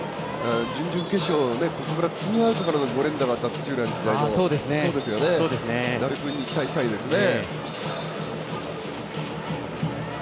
準々決勝ツーアウトからの５連打があった土浦日大の打率に期待したいですね。